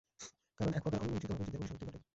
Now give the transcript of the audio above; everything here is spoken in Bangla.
কারণ এক প্রকার অমীমাংসিতভাবেই যুদ্ধের পরিসমাপ্তি ঘটে।